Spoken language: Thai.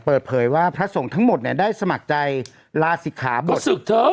เปิดเผยว่าพระทรงทั้งหมดเนี่ยได้สมัครใจลาศิกขาบท